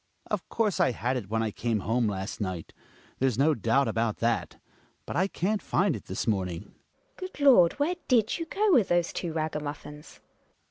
Hjalmar. Of course I had it when I came home last might; there's no doubt about that; but I can't find it this morning. GiNA. Good Lord ! Where did you go with those two ragamuffins?